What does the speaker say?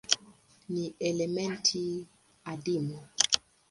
Ni elementi adimu.